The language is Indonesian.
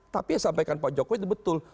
tapi yang sampaikan pak jokowi itu betul